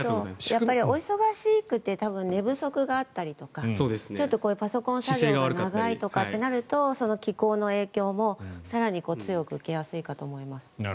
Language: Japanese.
お忙しくて寝不足があったりとかパソコン作業が長いとなると気候の影響も、更に強く受けやすいかと思います。